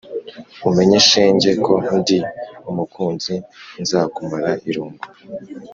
umenye shenge ko ndi umukunzi nzakumara irungu